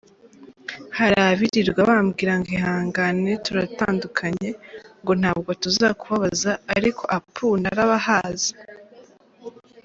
Hari abirirwa bambwira ngo ihangane turatandukanye! Ngo ntabwo tuzakubabaza, ariko apuuu narabahaze!”.